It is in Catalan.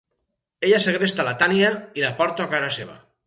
Ella segresta la Tanya i la porta a casa seva.